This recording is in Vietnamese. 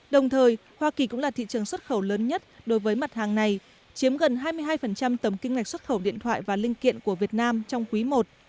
đồng thời hoa kỳ cũng là thị trường xuất khẩu lớn nhất đối với mặt hàng này chiếm gần hai mươi hai tầm kinh ngạch xuất khẩu điện thoại và linh kiện của việt nam trong quý i